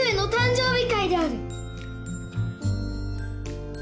日会である！